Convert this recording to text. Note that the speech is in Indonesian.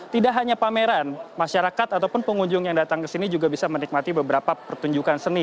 tidak hanya pameran masyarakat ataupun pengunjung yang datang ke sini juga bisa menikmati beberapa pertunjukan seni